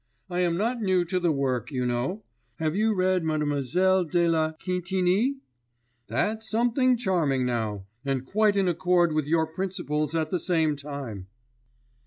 I am not new to the work, you know. Have you read Mlle. de la Quintinie? That's something charming now! And quite in accord with your principles at the same time!